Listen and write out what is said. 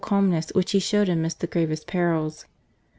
•calmness which he showed amidst the gravest perils.